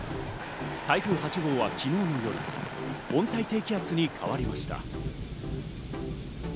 台風８号は昨日の夜、温帯低気圧に変わりました。